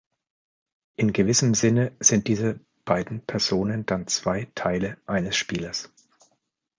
In gewissem Sinne sind diese beiden Personen dann zwei Teile eines Spielers.